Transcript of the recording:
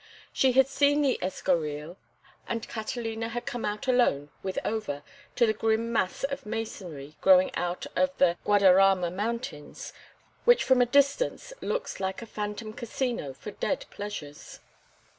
She had seen the Escorial, and Catalina had come out alone with Over to the grim mass of masonry growing out of the Guadarrama Mountains, which from a distance looks like a phantom casino for dead pleasures.